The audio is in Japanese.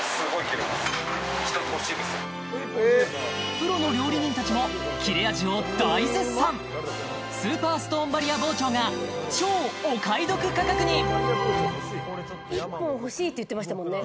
プロの料理人たちも切れ味を大絶賛スーパーストーンバリア包丁が超お買い得価格に！って言ってましたもんね